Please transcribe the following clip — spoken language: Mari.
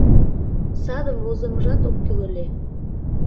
Садым возымыжат ок кӱл ыле.